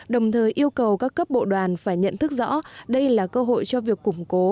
đồng thời yêu cầu các cấp bộ đoàn phải nhận thức rõ đây là cơ hội cho việc củng cố